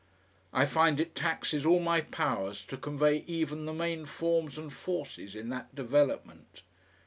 I find it taxes all my powers to convey even the main forms and forces in that development.